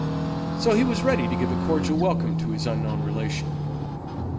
So he was ready to give a cordial welcome to his unknown relation.